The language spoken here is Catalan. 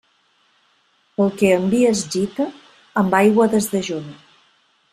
El que amb vi es gita, amb aigua desdejuna.